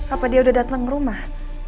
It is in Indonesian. apa dia udah dateng rumah